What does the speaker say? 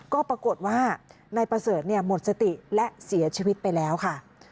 ก็ปรากฏว่านายประเสริฐหมดสติและเสียชีวิตไปแล้วค่ะ